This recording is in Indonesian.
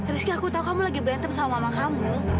rizky aku tahu kamu lagi berantem sama mama kamu